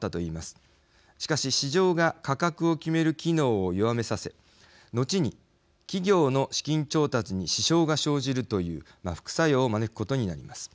しかし市場が価格を決める機能を弱めさせ後に企業の資金調達に支障が生じるという副作用を招くことになります。